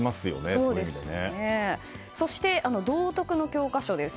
そして、道徳の教科書です。